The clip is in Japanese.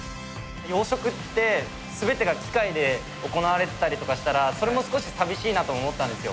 養殖ってすべてが機械で行われてたりとかしたらそれも少しさみしいなと思ったんですよ。